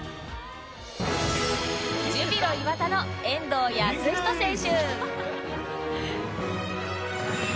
ジュビロ磐田の遠藤保仁選手